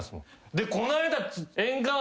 でこの間。